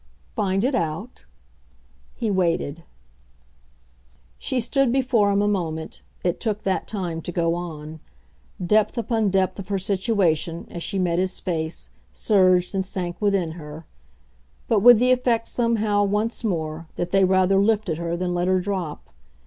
"Find it out ?" He waited. She stood before him a moment it took that time to go on. Depth upon depth of her situation, as she met his face, surged and sank within her; but with the effect somehow, once more, that they rather lifted her than let her drop.